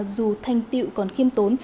dù thanh tiệu còn khiêm tốn